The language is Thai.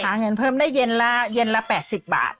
หาเงินเพิ่มได้เย็นละ๘๐บาท